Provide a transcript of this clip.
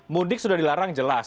mudik sudah dilarang jelas